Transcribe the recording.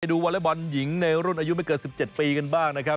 วอเล็กบอลหญิงในรุ่นอายุไม่เกิน๑๗ปีกันบ้างนะครับ